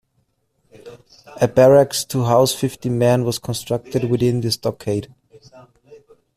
A barracks to house fifty men was constructed within the stockade.